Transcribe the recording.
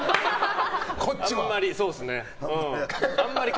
あんまり、そうですね。